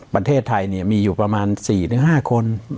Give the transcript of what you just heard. ประเทศไทยมีอยู่ประมาณ๔๕คน